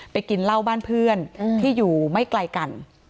กินเหล้าบ้านเพื่อนที่อยู่ไม่ไกลกัน